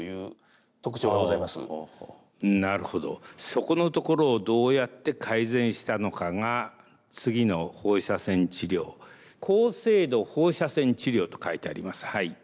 そこのところをどうやって改善したのかが次の放射線治療高精度放射線治療と書いてあります。